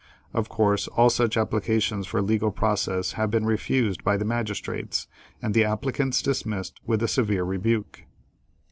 Of course, all such applications for legal process have been refused by the magistrates, and the applicants dismissed with a severe rebuke.